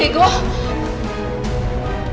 yang lagu quatre